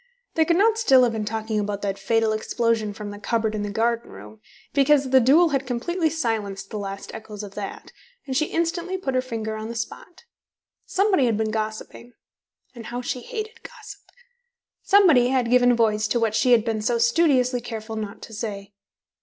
They could not still have been talking about that fatal explosion from the cupboard in the garden room, because the duel had completely silenced the last echoes of that, and she instantly put her finger on the spot. Somebody had been gossiping (and how she hated gossip); somebody had given voice to what she had been so studiously careful not to say.